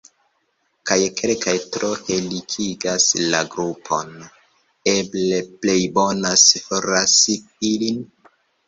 Kaj kelkaj tro helikigas la grupon: eble plejbonas forlasi ilin?